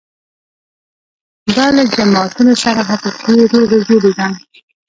دا له جماعتونو سره حقیقي روغې جوړې ده.